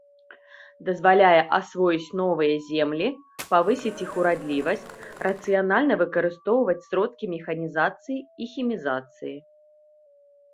Дазваляе асвоіць новыя землі, павысіць іх урадлівасць, рацыянальна выкарыстоўваць сродкі механізацыі і хімізацыі.